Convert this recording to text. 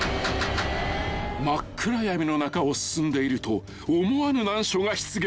［真っ暗闇の中を進んでいると思わぬ難所が出現］